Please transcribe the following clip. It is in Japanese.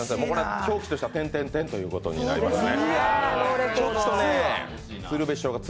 表記としては「」ということになりますね。